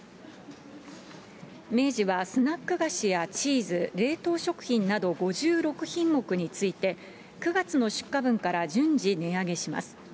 明治はスナック菓子やチーズ、冷凍食品など５６品目について、９月の出荷分から順次値上げします。